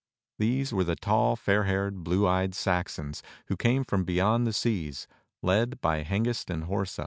These were the tall, fair haired, blue eyed Saxons who came from beyond the seas, led by Hengest and Horsa.